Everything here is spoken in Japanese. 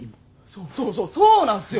そうそうそうそうなんっすよ。